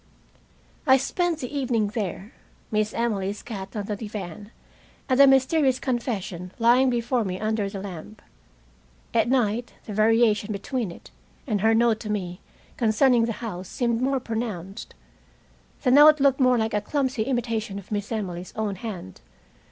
I spent the evening there, Miss Emily's cat on the divan, and the mysterious confession lying before me under the lamp. At night the variation between it and her note to me concerning the house seemed more pronounced. The note looked more like a clumsy imitation of Miss Emily's own hand.